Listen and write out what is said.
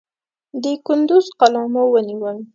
د کندوز قلا مو ونیول.